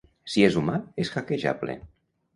Si és humà, és hackejable.